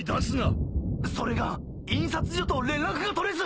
それが印刷所と連絡が取れず。